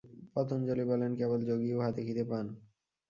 পতঞ্জলি বলেন, কেবল যোগীই উহা দেখিতে পান।